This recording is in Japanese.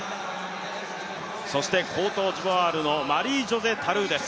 そしてコートジボワールのマリージョセ・タルーです。